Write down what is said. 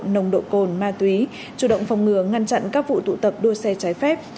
nồng độ cồn ma túy chủ động phòng ngừa ngăn chặn các vụ tụ tập đua xe trái phép